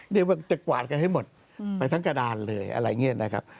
เรียกว่าจะกวาดกันให้หมดไปทั้งกระดานเลยอะไรอย่างนี้นะครับ